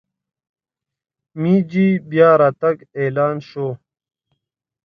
مېجي بیا راتګ اعلان شو.